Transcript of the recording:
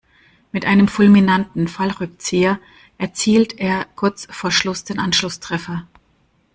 Mit einem fulminanten Fallrückzieher erzielt er kurz vor Schluss den Anschlusstreffer.